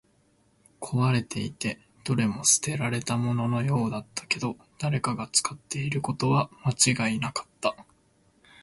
壊れていて、どれも捨てられたもののようだったけど、誰かが使っていることは間違いなかった